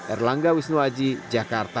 erlangga wisnuaji jakarta